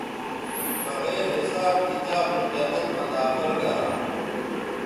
بغیر حساب کتاب نو جنت مہ داخل گرا